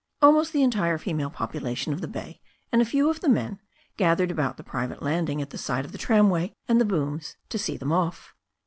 Almost the entire female population of the bay and a few of the men gathered about the private landing at the side of the tramway and the booms to see them off.